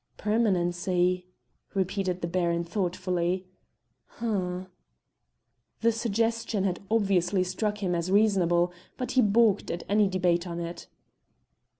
"Permanency!" repeated the Baron, thoughtfully. "H'm!" The suggestion had obviously struck him as reasonable, but he baulked at any debate on it.